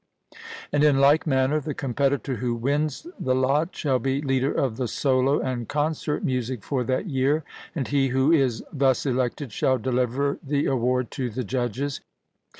And in like manner the competitor who wins the lot shall be leader of the solo and concert music for that year; and he who is thus elected shall deliver the award to the judges.